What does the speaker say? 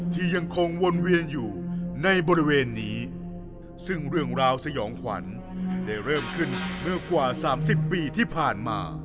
ที่ยังคงวนเวียนอยู่ในบริเวณนี้ซึ่งเรื่องราวสยองขวัญได้เริ่มขึ้นเมื่อกว่า๓๐ปีที่ผ่านมา